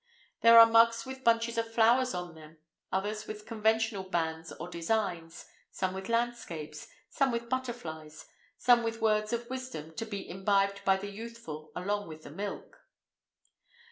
There are mugs with bunches of flowers on them, others with conventional bands or designs, some with landscapes, some with butterflies, some with words of wisdom to be imbibed by the youthful along with the milk.